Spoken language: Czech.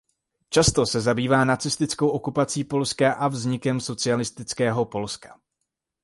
Často se zabývá nacistickou okupací Polska a vznikem socialistického Polska.